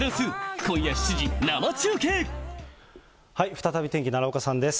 再び天気、奈良岡さんです。